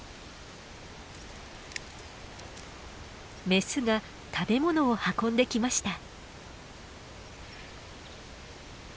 メスが食べ物を運んできました。